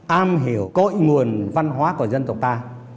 am hiểu cội nguồn văn hóa của dân tộc ta